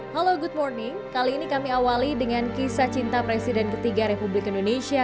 halo good morning kali ini kami awali dengan kisah cinta presiden ketiga republik indonesia